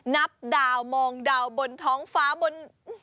นับดาวมองดาวบนท้องฟ้าบน